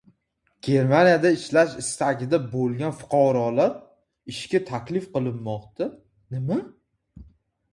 Germaniyada ishlash istagida bo‘lgan fuqarolar ishga taklif qilinmoqda